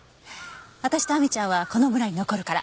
私と亜美ちゃんはこの村に残るから。